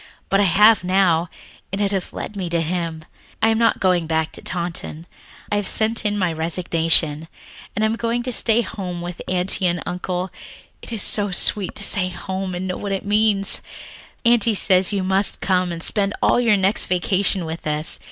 But I have now, and it has led me to Him. "I am not going back to Taunton. I have sent in my resignation. I am going to stay home with Aunty and Uncle. It is so sweet to say home and know what it means. "Aunty says you must come and spend all your next vacation with us.